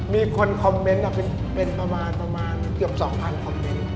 มีคนคอมเมนต์เป็นประมาณเกือบ๒๐๐คอมเมนต์